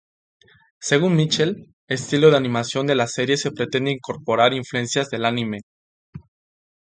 Según Michel, estilo de animación de la serie se pretende incorporar influencias del anime.